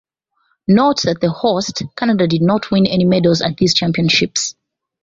Note that the host, Canada, did not win any medals at these championships.